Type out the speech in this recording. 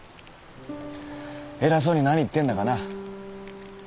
偉そうに何言ってんだかな。